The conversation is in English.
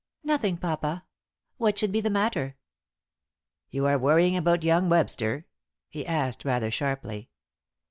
"Nothing, papa. What should be the matter?" "You are worrying about young Webster?" he asked, rather sharply.